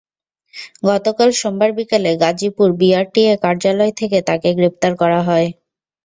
গতকাল সোমবার বিকেলে গাজীপুর বিআরটিএ কার্যালয় থেকে তাঁকে গ্রেপ্তার করা হয়।